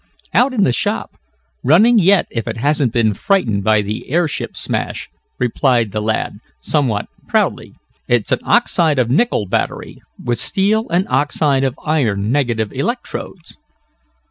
"Out in my shop, running yet if it hasn't been frightened by the airship smash," replied the lad, somewhat proudly. "It's an oxide of nickel battery, with steel and oxide of iron negative electrodes."